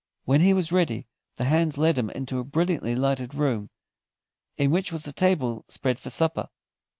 When he was ready, the hands led him into a brilliantly lighted room, in which was a table spread for supper.